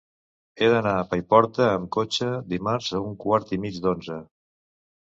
He d'anar a Paiporta amb cotxe dimarts a un quart i mig d'onze.